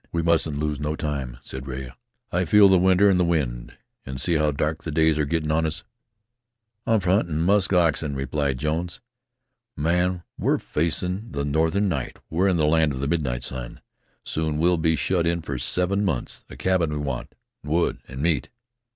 "We mustn't lose no time," said Rea. "I feel the winter in the wind. An' see how dark the days are gettin' on us." "I'm for hunting musk oxen," replied Jones. "Man, we're facin' the northern night; we're in the land of the midnight sun. Soon we'll be shut in for seven months. A cabin we want, an' wood, an' meat."